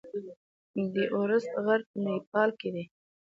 د ایورسټ غر په نیپال کې دی.